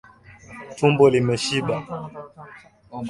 Tumbo limeshiba.